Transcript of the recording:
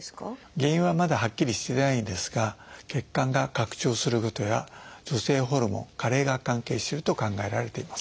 原因はまだはっきりしてないんですが血管が拡張することや女性ホルモン加齢が関係してると考えられています。